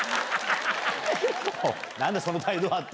何だその態度は⁉と。